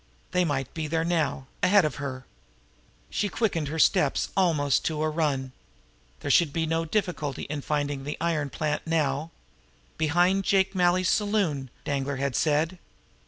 They might be there now ahead of her. She quickened her steps almost to a run. There should be no difficulty in finding the iron plant now. "Behind Jake Malley's saloon," Danglar had said.